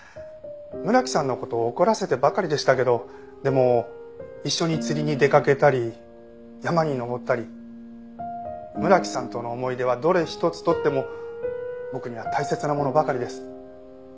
村木さんの事を怒らせてばかりでしたけどでも一緒に釣りに出掛けたり山に登ったり村木さんとの思い出はどれ一つ取っても僕には大切なものばかりです。